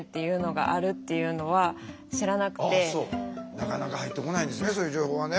なかなか入ってこないですねそういう情報はね。